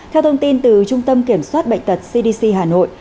theo thông tin từ trung tâm kiểm soát bệnh tật cdc hà nội